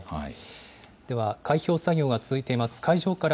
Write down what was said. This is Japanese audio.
では開票作業が続いています会場から。